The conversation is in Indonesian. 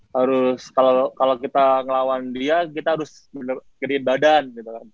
harus kalo kita ngelawan dia kita harus gedein badan